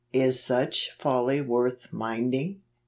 Is such folly worth minding?